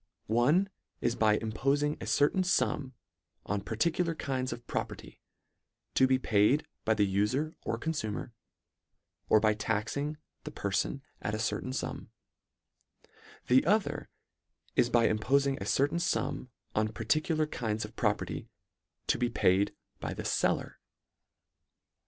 — One is by impofing a certain fum on parti cular kinds of property, to be paid by the ufer or confumer, or by taxing the perfon at a certain fum ; the other is, by impofing a certain fum on particular kinds of property to be paid by the feller.